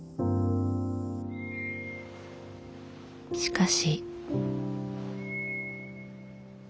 しかし。